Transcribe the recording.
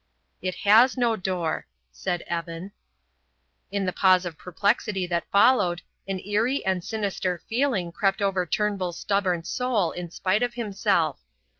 "It has no door," said Evan. In the pause of perplexity that followed, an eerie and sinister feeling crept over Turnbull's stubborn soul in spite of himself.